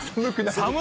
寒い？